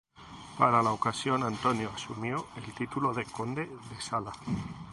Para la ocasión, Antonio asumió el título de conde de Sala.